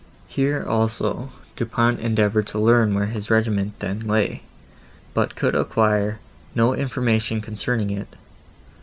Here also, Du Pont endeavoured to learn where his regiment then lay, but could acquire no information concerning it.